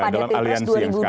dalam aliansi yang sekarang